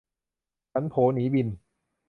ฉันโผ หนี บิน